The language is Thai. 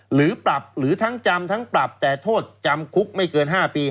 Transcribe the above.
หรือปรับหรือทั้งจำทั้งปรับแต่โทษจำคุกไม่เกิน๕ปี